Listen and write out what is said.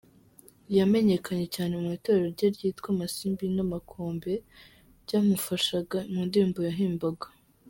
Yamenyekanye cyane mu Itorero rye ryitwa “Amasimbi n’Amakombe” ryamufashaga mu ndirimbo yahimbaga.